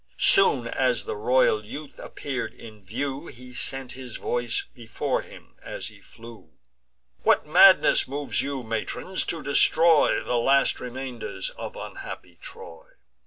Soon as the royal youth appear'd in view, He sent his voice before him as he flew: "What madness moves you, matrons, to destroy The last remainders of unhappy Troy!